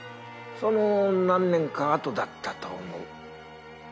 その何年か後だったと思う。